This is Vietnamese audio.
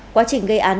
quá trình gây án